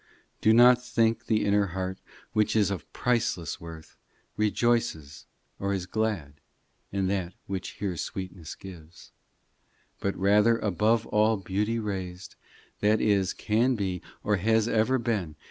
POEMS 273 VII Do not think the inner heart, Which is of priceless worth, Rejoices or is glad In that which here sweetness gives ; But rather above all beauty raised That is, can be, or has ever been.